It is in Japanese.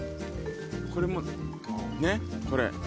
これもねっこれ。